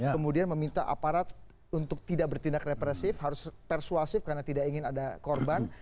kemudian meminta aparat untuk tidak bertindak represif harus persuasif karena tidak ingin ada korban